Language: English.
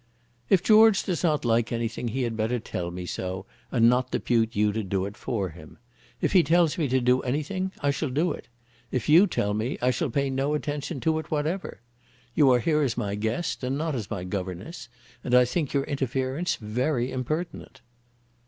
"If George does not like anything he had better tell me so, and not depute you to do it for him. If he tells me to do anything I shall do it. If you tell me I shall pay no attention to it whatever. You are here as my guest, and not as my governess; and I think your interference very impertinent."